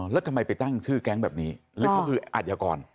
แล้วทำไมไปตั้งชื่อแก๊งแบบนี้หรือเขาคืออาชญากร